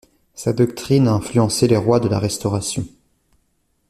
Sa doctrine a influencé les rois de la Restauration.